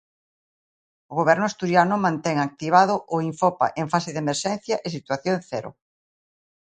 O Goberno asturiano mantén activado o Infopa en fase de emerxencia e situación cero.